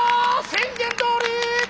宣言どおり！